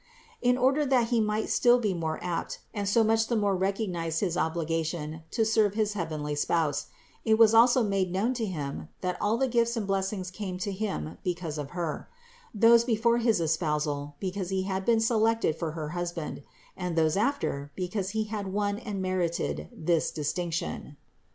In order that he might be still more apt and so much the more recognize his obligation to serve his heavenly Spouse, it was also made known to him, that all the gifts and blessings came to him because of Her: those before his espousal, because he had been selected for her hus band, and those afterward, because he had won and merited this distinction.